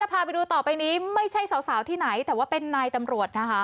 พาไปดูต่อไปนี้ไม่ใช่สาวที่ไหนแต่ว่าเป็นนายตำรวจนะคะ